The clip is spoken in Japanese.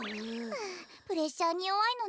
はあプレッシャーによわいのね。